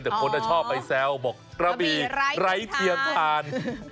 แต่คนชอบไปแซวบอกกระบี่ไร้เทียมทาน